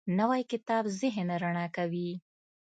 نوی کتاب ذهن رڼا کوي